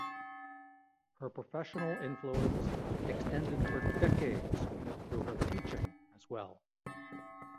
Her professional influence extended for decades through her teaching as well.